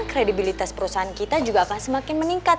kredibilitas perusahaan kita juga akan semakin meningkat